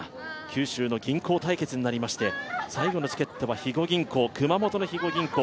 九州の銀行対決になりまして、最後のチケットは熊本の肥後銀行、